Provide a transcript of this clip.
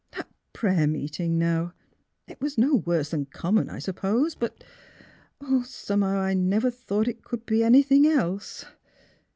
That prayer meeting, now; it was no worse than common, I suppose. But I — somehow I never thought it could be anything else."